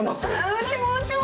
うちもうちも！